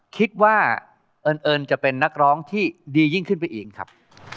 คิดว่าเอิญจะเป็นนักร้องที่ดียิ่งขึ้นไปเองครับ